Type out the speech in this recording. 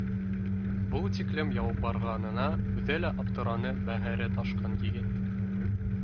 — Был тиклем ялбарғанына үҙе лә аптыраны бәғере ташҡан егет